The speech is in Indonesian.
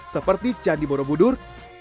seperti candi borobudur